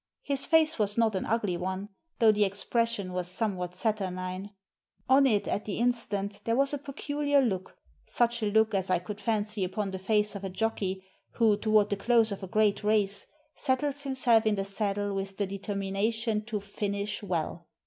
His face was not an ugly one, though the expression was somewhat saturnine. On it, at the instant, there was a peculiar look, such a look as I could fancy upon the face of a jockey who, toward the close of a great race, settles himself in the saddle with the determination to "finish" well.